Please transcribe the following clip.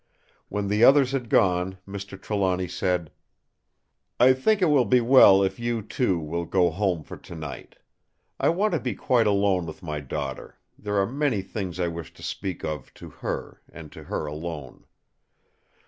When the others had gone Mr. Trelawny said: "I think it will be well if you, too, will go home for tonight. I want to be quite alone with my daughter; there are many things I wish to speak of to her, and to her alone.